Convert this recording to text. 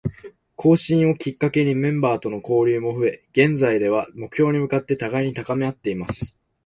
更新をきっかけにメンバーとの交流も増え、現在では、目標に向かって互いに高めあっています。